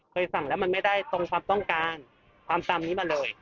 สั่งแล้วมันไม่ได้ตรงความต้องการความจำนี้มาเลย